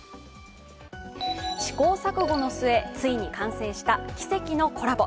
試行錯誤の末ついに完成した奇跡のコラボ。